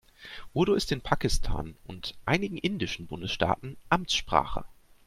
Urdu ist in Pakistan und einigen indischen Bundesstaaten Amtssprache.